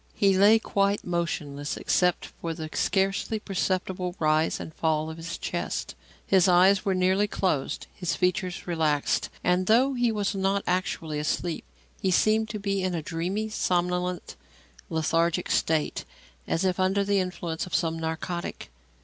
He lay quite motionless except for the scarcely perceptible rise and fall of his chest; his eyes were nearly closed, his features relaxed, and, though he was not actually asleep, he seemed to be in a dreamy, somnolent, lethargic state, as if under the influence of some narcotic.